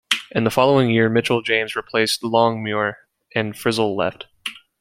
In the following year, Mitchell James replaced Longmuir and Frizell left.